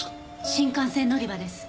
新幹線乗り場です。